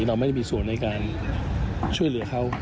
เราไม่ได้มีส่วนในการช่วยเหลือเขา